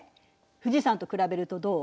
富士山と比べるとどう？